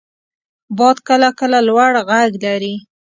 • باد کله کله لوړ ږغ لري.